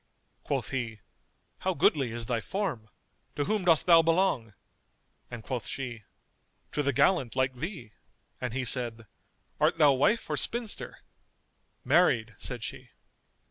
Quoth he, "How goodly is thy form! To whom dost thou belong?"; and quoth she, "To the gallant[FN#227] like thee;" and he said, "Art thou wife or spinster?" "Married," said she.